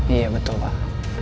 iya betul pak